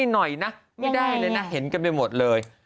หน่อยนะไม่ได้เลยนะเห็นกันไปหมดเลย